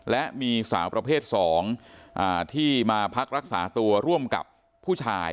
และมีสาวประเภท๒ที่มาพักรักษาตัวร่วมกับผู้ชาย